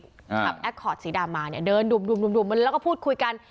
ขับแอคคอร์ดสีดำมาเนี่ยเดินดุ่มแล้วก็พูดคุยกัน